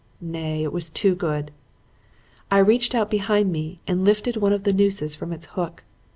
Nay, it was too good. "I reached out behind me and lifted one of the nooses from its hook.